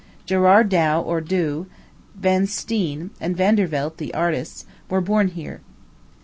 Gerard Dow or Douw, Jan Steen, and Vandervelde, the artists, were born here.